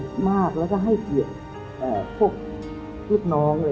หมายความครับครับผมทรงนี่